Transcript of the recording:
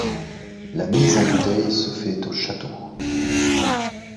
La mise en bouteilles se fait au château.